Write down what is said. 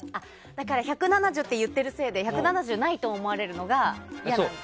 １７０って言っているせいで１７０ないと思われるのが嫌なんだ。